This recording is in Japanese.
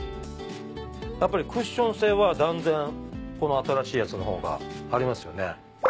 やっぱりクッション性は断然この新しいやつの方がありますよね。